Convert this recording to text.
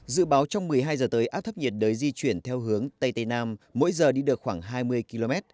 dự báo trong một mươi hai h tới áp thấp nhiệt đới di chuyển theo hướng tây tây nam mỗi giờ đi được khoảng hai mươi km